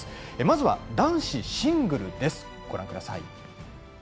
まずは男子シングルです。